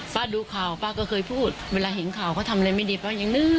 ดูข่าวป้าก็เคยพูดเวลาเห็นข่าวเขาทำอะไรไม่ดีป้ายังนึก